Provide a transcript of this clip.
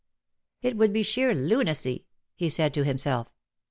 " It would be sheer lunacy,^"* he said to himself.